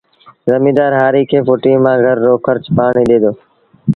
زميݩدآر هآريٚ کي ڦُٽيٚ مآݩ گھر رو کرچ پآڻيٚ ڏي دو